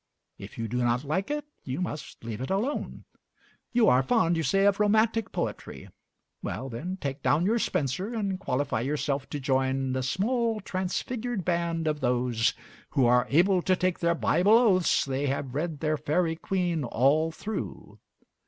If you do not like it you must leave it alone. You are fond, you say, of romantic poetry; well, then, take down your Spenser and qualify yourself to join "the small transfigured band" of those who are able to take their Bible oaths they have read their 'Faerie Queene' all through.